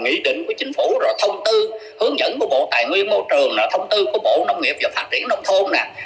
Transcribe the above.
nghị định của chính phủ rồi thông tư hướng dẫn của bộ tài nguyên môi trường là thông tư của bộ nông nghiệp và phát triển nông thôn